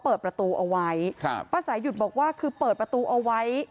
เปิดประตูเอาไว้ครับป้าสายหยุดบอกว่าคือเปิดประตูเอาไว้